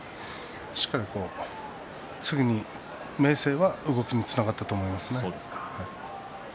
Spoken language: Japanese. しっかりと次に明生は動きがつながったと思います。